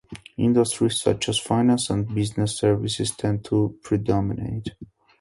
Industries such as finance and business services tend to predominate.